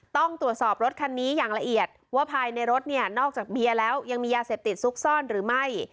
ต้องตรวจสอบรถคันนี้อย่างละเอียดว่าภายในรถเนี่ยนอกจากเบียร์แล้วยังมียาเสพติดซุกซ่อนหรือไม่